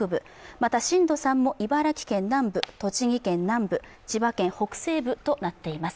また震度３も茨城県南部栃木県南部千葉県北西部となっています。